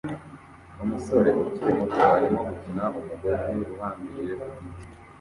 Umusore ukiri muto arimo gukina umugozi uhambiriye ku giti